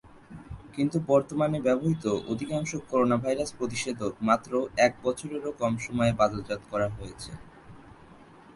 কিন্তু বর্তমানে ব্যবহৃত অধিকাংশ করোনাভাইরাস প্রতিষেধক মাত্র এক বছরেরও কম সময়ে বাজারজাত করা হয়েছে।